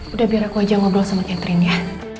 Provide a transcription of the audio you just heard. udah biar aku aja ngobrol sama catherine nya